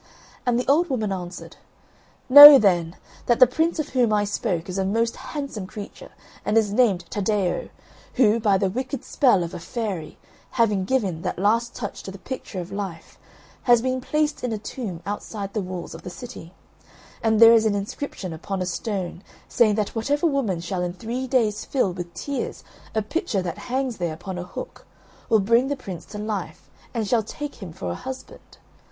And the old woman answered, "Know then, that the Prince of whom I spoke is a most handsome creature, and is named Taddeo, who, by the wicked spell of a fairy, having given the last touch to the picture of life, has been placed in a tomb outside the walls of the city; and there is an inscription upon a stone, saying that whatever woman shall in three days fill with tears a pitcher that hangs there upon a hook will bring the Prince to life and shall take him for a husband.